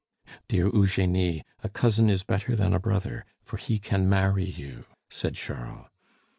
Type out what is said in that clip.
"Dear Eugenie, a cousin is better than a brother, for he can marry you," said Charles.